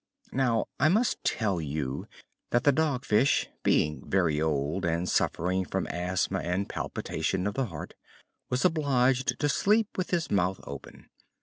Now, I must tell you that the Dog Fish, being very old, and suffering from asthma and palpitation of the heart, was obliged to sleep with his mouth open.